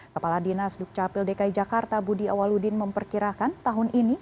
kepala dinas dukcapil dki jakarta budi awaludin memperkirakan tahun ini